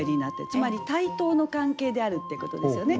つまり対等の関係であるってことですよね。